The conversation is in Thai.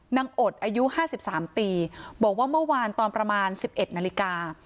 นางอดอายุห้าสิบสามปีบอกว่าเมื่อวานตอนประมาณสิบเอ็ดนาฬิกา